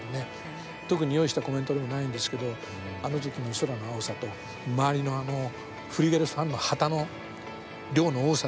特に用意したコメントでもないんですけどあの時の空の青さと周りのあのフリューゲルスファンの旗の量の多さですよね。